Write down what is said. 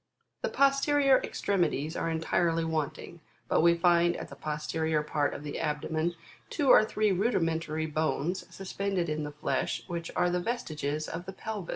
The posterior extremities are entirely wanting : but we find at the posterior part of the abdomen, two or three rudimentary bones, suspended in the flesh, which are the vestiges of the pelvis.